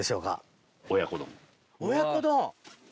親子丼！